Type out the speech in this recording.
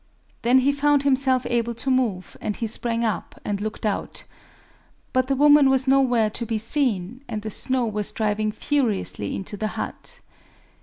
Then he found himself able to move; and he sprang up, and looked out. But the woman was nowhere to be seen; and the snow was driving furiously into the hut.